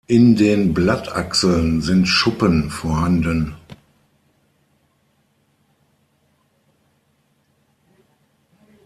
In den Blattachseln sind Schuppen vorhanden.